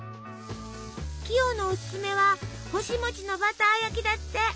キヨのおすすめは「干し餅のバター焼き」だって。